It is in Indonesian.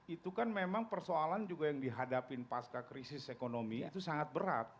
itu kan memang persoalan juga yang dihadapin pasca krisis ekonomi itu sangat berat